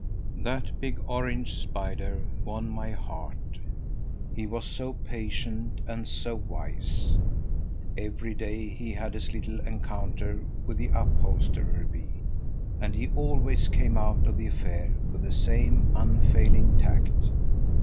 That big, orange spider won my heart; he was so patient and so wise. Every day he had his little encounter with the upholsterer bee, and he always came out of the affair with the same unfailing tact.